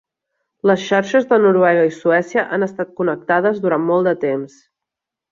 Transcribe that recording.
Les xarxes de Noruega i Suècia han estat connectades durant molt de temps.